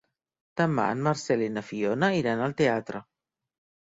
Demà en Marcel i na Fiona iran al teatre.